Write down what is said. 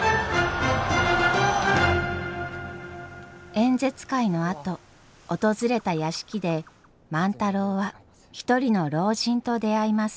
演説会のあと訪れた屋敷で万太郎は一人の老人と出会います。